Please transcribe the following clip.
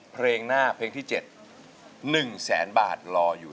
เพลงที่๗๑๐๐๐๐๐บาทรออยู่